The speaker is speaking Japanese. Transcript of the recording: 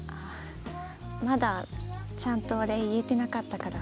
まだちゃんとお礼言えてなかったから。